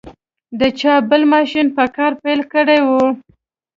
د چاپ بل ماشین په کار پیل کړی و.